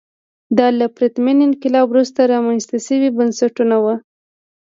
دا له پرتمین انقلاب وروسته رامنځته شوي بنسټونه وو.